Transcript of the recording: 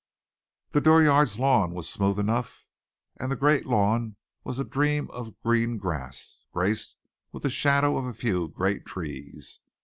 The dooryard's lawn was smooth enough, and the great lawn was a dream of green grass, graced with the shadows of a few great trees.